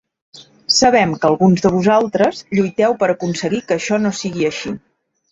Sabem que alguns de vosaltres lluiteu per aconseguir que això no sigui així.